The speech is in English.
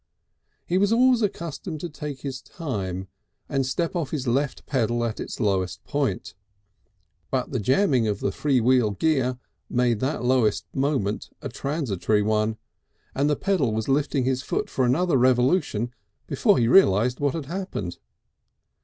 He was always accustomed to take his time and step off his left pedal at its lowest point, but the jamming of the free wheel gear made that lowest moment a transitory one, and the pedal was lifting his foot for another revolution before he realised what had happened.